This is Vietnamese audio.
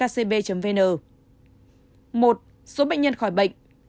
một số bệnh nhân khỏi bệnh